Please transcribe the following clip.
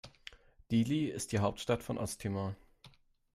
Dili ist die Hauptstadt von Osttimor.